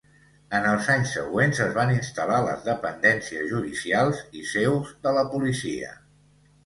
En els anys següents es van instal·lar les dependències judicials i seus de la policia.